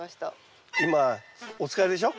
今お疲れでしょ？